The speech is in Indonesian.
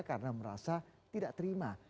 karena merasa tidak terima